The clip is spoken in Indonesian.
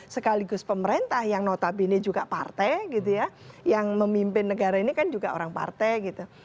sekaligus pemerintah yang notabene juga partai gitu ya yang memimpin negara ini kan juga orang partai gitu